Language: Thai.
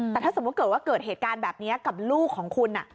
แต่ถ้าสมมุติเกิดว่าเกิดเหตุการณ์แบบนี้กับลูกของคุณ